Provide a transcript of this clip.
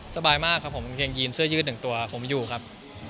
สบายมากครับผมกางเกงยีนเสื้อยืดหนึ่งตัวผมอยู่ครับ